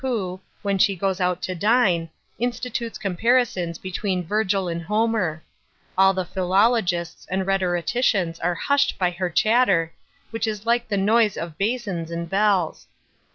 597 who, when she goes out to dine, institutes comparisons between Virgil and Homer; all the philologists and rhetoricians are hushed by her cha.ter, which is like the noise of basins and bells.